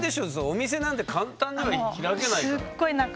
お店なんて簡単には開けないから。